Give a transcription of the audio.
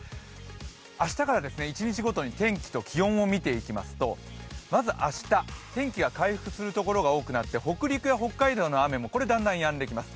明日から１日ごとに天気と気温を見ていきますとまず明日、天気が回復する所が多くなって北陸や北海道の雨もだんだんやんできます。